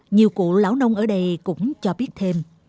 nhiều cụ lão nông ở đây cũng cho biết thêm